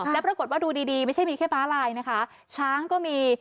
แล้วปรากฏว่าดูดีดีไม่ใช่มีแค่ม้าลายนะคะช้างก็มี